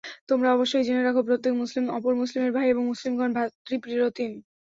তোমরা অবশ্যই জেনে রেখো, প্রত্যেক মুসলিম অপর মুসলিমের ভাই এবং মুসলিমগণ ভ্রাতৃপ্রতিম।